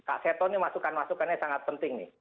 kak seto ini masukan masukannya sangat penting nih